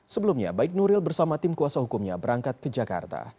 sebelumnya baik nuril bersama tim kuasa hukumnya berangkat ke jakarta